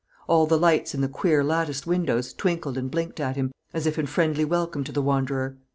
All the lights in the queer latticed windows twinkled and blinked at him, as if in friendly welcome to the wanderer.